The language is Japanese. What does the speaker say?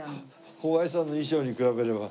小林さんの衣装に比べれば。